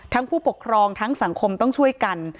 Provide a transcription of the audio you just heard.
ผู้ปกครองทั้งสังคมต้องช่วยกัน